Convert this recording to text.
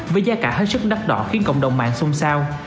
với giá cả hết sức đắt đỏ khiến cộng đồng mạng sung sao